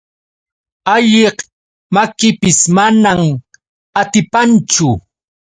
Alliq makipis manan atipanchu.